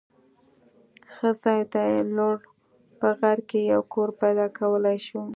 ښه ځای دی. لوړ په غر کې یو کور پیدا کولای شو.